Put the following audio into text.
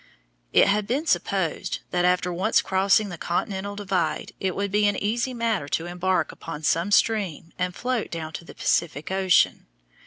It had been supposed that after once crossing the continental divide it would be an easy matter to embark upon some stream and float down to the Pacific Ocean.